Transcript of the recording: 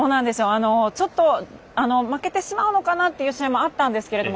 ちょっと負けてしまうのかな？という試合もあったんですけど